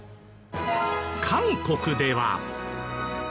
韓国では。